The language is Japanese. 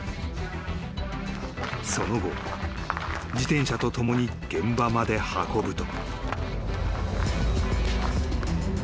［その後自転車と共に現場まで運ぶと］